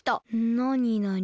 なになに？